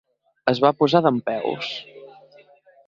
Es va posar dempeus.